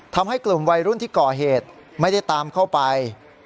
ทำให้กลุ่มวัยรุ่นที่ก่อเหตุไม่ได้ตามเข้าไป